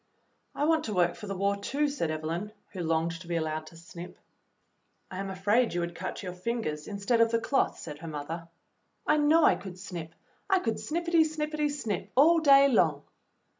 "I want to work for the war, too," said Evelyn, who longed to be allowed to snip. *'I am afraid you would cut your fingers instead of the cloth," said her mother. "I know I could snip. I could snippity, snippity, snip all day long."